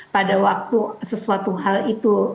pada waktu sesuatu hal itu